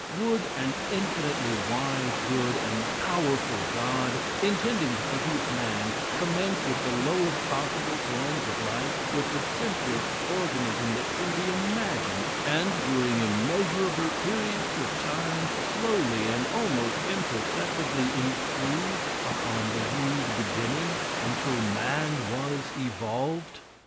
Would an infinitely wise, good and powerful God, intending to produce man, commence with the lowest possible forms of life; with the simplest organism that can be imagined, and during immeasurable periods of time, slowly and almost imperceptibly improve upon the rude beginning, until man was evolved?